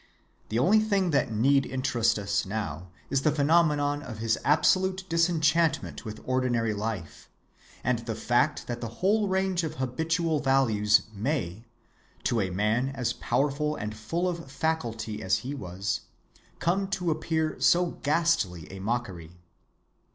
The only thing that need interest us now is the phenomenon of his absolute disenchantment with ordinary life, and the fact that the whole range of habitual values may, to a man as powerful and full of faculty as he was, come to appear so ghastly a mockery.